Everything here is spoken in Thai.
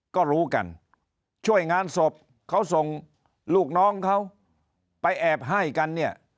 ก็รู้กันช่วยงานศพเขาส่งลูกน้องเขาไปแอบให้กันเนี่ย